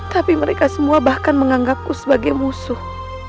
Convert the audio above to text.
tapi mereka semua bahkan menganggapku sebagai musuh